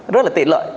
rất là tiện lợi